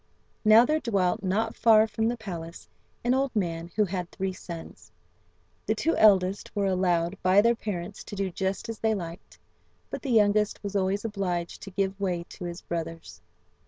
Now there dwelt, not far from the palace, an old man who had three sons. The two eldest were allowed by their parents to do just as they liked, but the youngest was always obliged to give way to his brothers.